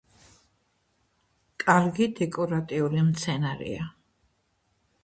კარგი დეკორატიული მცენარეა.